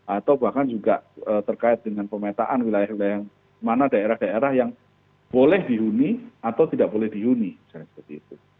atau bahkan juga terkait dengan pemetaan wilayah wilayah mana daerah daerah yang boleh dihuni atau tidak boleh dihuni misalnya seperti itu